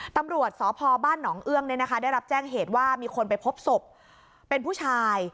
ตำรวจสพบ้านหนองเอื้องได้รับแจ้งเหตุว่ามีคนไปพบศพเป็นผู้ชาย